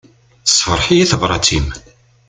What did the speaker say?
Tessefṛeḥ-iyi tebrat-im.